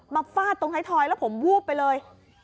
มาฟาดตรงไฮทอยแล้วผมวูบไปเลย